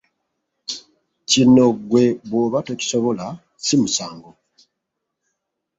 Kino ggwe bwoba tokisobla si musango!